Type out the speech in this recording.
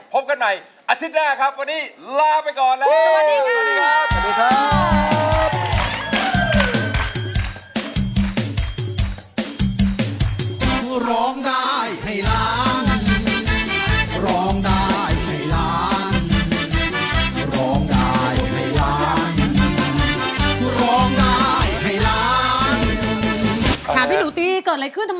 พบกันใหม่อาทิตย์หน้าครับ